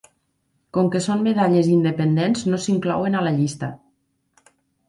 Com que són medalles independents, no s'inclouen a la llista.